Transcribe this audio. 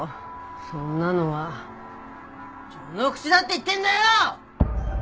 そんなのは序の口だって言ってんだよ！